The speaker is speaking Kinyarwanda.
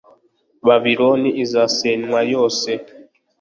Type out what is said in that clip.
babiloni izasenywa yose